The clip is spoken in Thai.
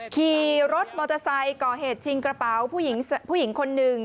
ขี่รถมอเตอร์ไซค์ก่อเหตุชิงกระเป๋าผู้หญิงคนหนึ่ง